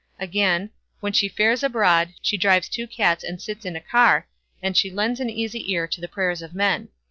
Again "when she fares abroad, she drives two cats and sits in a car, and she lends an easy ear to the prayers of men."